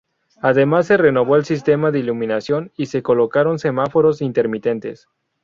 Además se renovó el sistema de iluminación y se colocaron semáforos intermitentes.